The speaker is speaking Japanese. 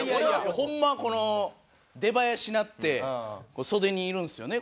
ホンマこの出囃子鳴って袖にいるんですよね